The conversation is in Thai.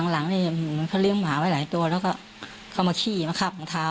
หลังนี่เหมือนเขาเลี้ยงหมาไว้หลายตัวแล้วก็เข้ามาขี้มาคาบรองเท้า